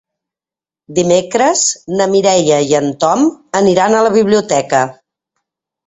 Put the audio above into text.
Dimecres na Mireia i en Tom aniran a la biblioteca.